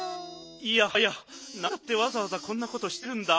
いやはやなんだってわざわざこんなことしてるんだ？